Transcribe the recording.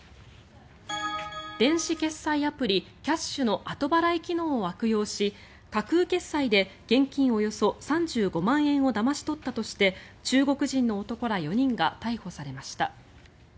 電子決済アプリｋｙａｓｈの後払い機能を悪用し架空決済で現金およそ３５万円をだまし取ったとして中国人の男ら４人が逮捕されました。